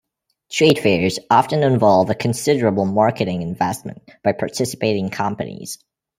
Trade fairs often involve a considerable marketing investment by participating companies.